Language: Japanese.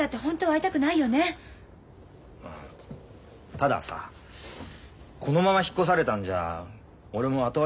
たださこのまま引っ越されたんじゃ俺も後味が悪いんだよ。